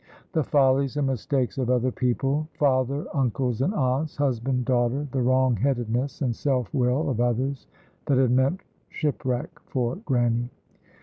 The follies and mistakes of other people: father, uncles and aunts, husband, daughter; the wrong headedness and self will of others that had meant shipwreck for Grannie.